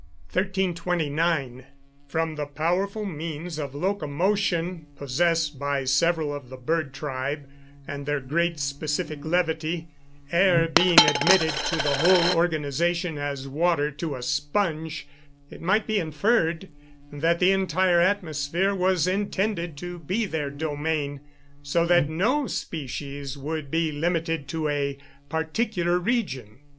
1329. From the powerful means of locomotion possessed by several of the bird tribe, and their great specific levity, air being admitted to the whole organisation as water to a sponge, it might be inferred, that the entire atmosphere was intended to be their domain, so that no species would be limited to a particular region.